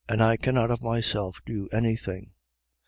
I cannot of myself do any thing.